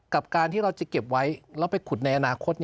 กับการที่เราจะเก็บไว้แล้วไปขุดในอนาคต